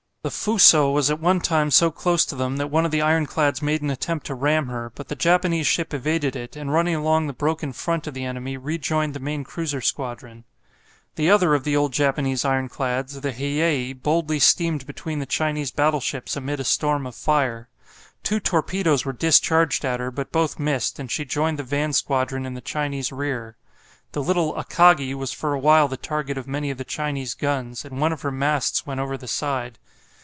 The "Fuso" was at one time so close to them that one of the ironclads made an attempt to ram her, but the Japanese ship evaded it, and running along the broken front of the enemy, rejoined the main cruiser squadron. The other of the old Japanese ironclads, the "Hiyei," boldly steamed between the Chinese battleships, amid a storm of fire. Two torpedoes were discharged at her, but both missed, and she joined the van squadron in the Chinese rear. The little "Akagi" was for a while the target of many of the Chinese guns, and one of her masts went over the side.